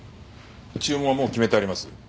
注文はもう決めてあります。